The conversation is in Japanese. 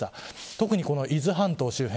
特に伊豆半島周辺